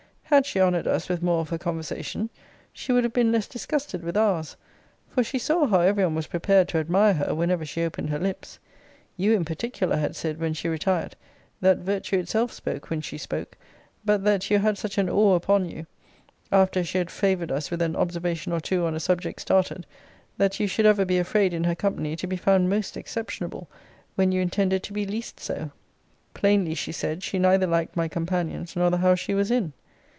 Had she honoured us with more of her conversation, she would have been less disgusted with ours; for she saw how every one was prepared to admire her, whenever she opened her lips. You, in particular, had said, when she retired, that virtue itself spoke when she spoke, but that you had such an awe upon you, after she had favoured us with an observation or two on a subject started, that you should ever be afraid in her company to be found most exceptionable, when you intended to be least so.' Plainly, she said, she neither liked my companions nor the house she was in.